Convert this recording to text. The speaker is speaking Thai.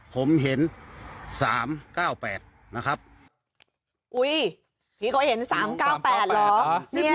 ผมเห็นสามเก้าแปดนะครับอุ้ยพี่ก็เห็นสามเก้าแปดเหรอ